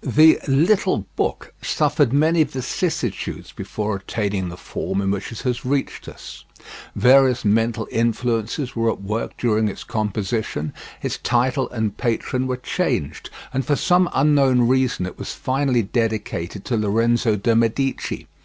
The "little book" suffered many vicissitudes before attaining the form in which it has reached us. Various mental influences were at work during its composition; its title and patron were changed; and for some unknown reason it was finally dedicated to Lorenzo de' Medici.